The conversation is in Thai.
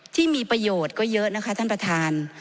ที่มีประโยชน์ก็เยอะนะคะท่านประธาน